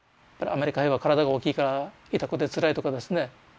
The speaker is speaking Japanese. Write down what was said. アメリカ兵は体が大きいから痛くてつらいとかですね。